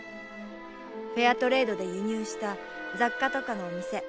フェアトレードで輸入した雑貨とかのお店。